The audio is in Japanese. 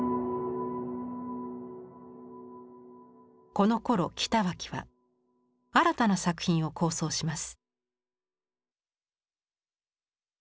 このころ北脇は新たな作品を構想します。